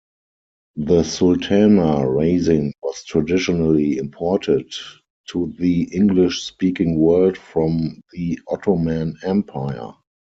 The sultana raisin was traditionally imported to the English-speaking world from the Ottoman Empire.